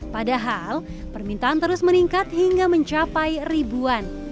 padahal permintaan terus meningkat hingga mencapai ribuan